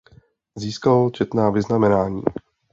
Získal četná vyznamenání.